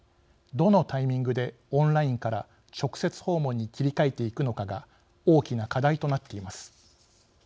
どのタイミングでオンラインから直接訪問に切り替えていくのかが大きな課題となっています。